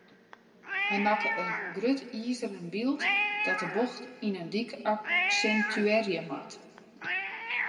Hy makke in grut izeren byld dat de bocht yn in dyk aksintuearje moat.